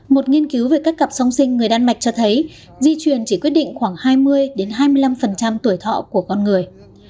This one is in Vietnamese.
một nghiên cứu về các cặp song sinh người đan mạch cho thấy di truyền chỉ quyết định khoảng hai mươi hai mươi năm tuổi thọ của con người